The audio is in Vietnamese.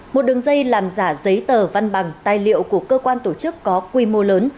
một đường dây làm giả giấy tờ văn bằng tài liệu của cơ quan tổ chức có quy mô lớn